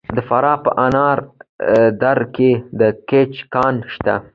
د فراه په انار دره کې د ګچ کان شته.